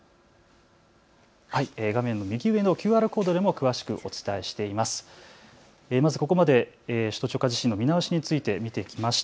画面の右上のＱＲコードでも詳しくお伝えしています。